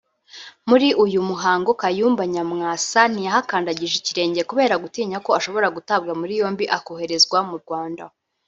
muri uyu muhango Kayumba Nyamwasa ntiyahakandagije ikirenge kubera gutinya ko ashobora gutabwa muri yombi akoherezwa mu Rwanda